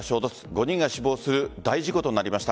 ５人が死亡する大事故となりました。